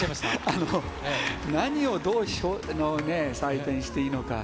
あの、何をどうねぇ、採点していいのか。